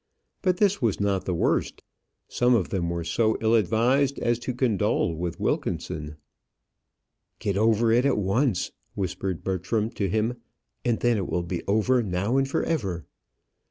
But this was not the worst; some of them were so ill advised as to condole with Wilkinson. "Get it over at once," whispered Bertram to him, "and then it will be over, now and for ever."